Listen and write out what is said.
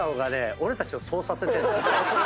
俺たちをそうさせてるの。